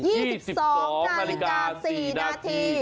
๒๒นาฬิกา๔นาที